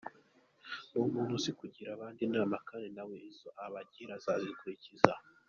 Ni umuntu uzi kugira abandi inama kandi nawe izo agiriwe akazikurikiza.